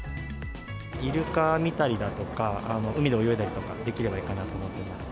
イルカ見たりだとか、海で泳いだりとかできればいいかなと思っています。